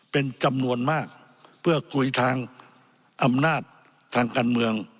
เป็นจำนวนมากเพื่อคุยทางอำนาจทางการเมือง